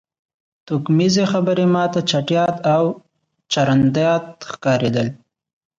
توکمیزې خبرې ما ته چټیات او چرندیات ښکارېدل